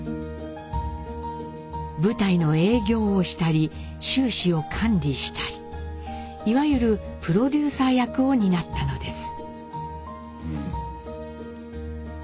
舞台の営業をしたり収支を管理したりいわゆるプロデューサー役を担ったのです。